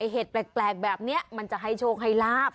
เห็ดแปลกแบบนี้มันจะให้โชคให้ลาบ